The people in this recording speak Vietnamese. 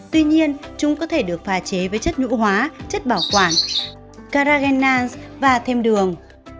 tuy nhiên chúng có thể được pha chế với chất nhũ hóa chất bảo quản caragenans và thêm đường